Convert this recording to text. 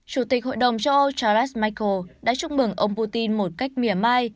chủ tịch hội đồng châu âu charles michel đã chúc mừng ông putin một cách mỉa mai